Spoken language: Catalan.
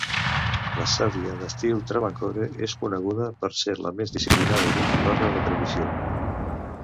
La sadhya d'estil travancore és coneguda per ser la més disciplinada i vinculada a la tradició.